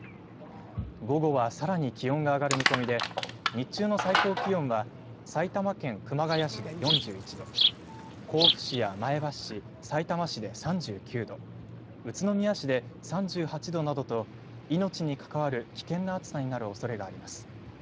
午後はさらに気温が上がる見込みで日中の最高気温は埼玉県熊谷市で４１度甲府市や前橋市さいたま市で３９度宇都宮市で３８度などと命に関わる危険な暑さになるおそれがあります。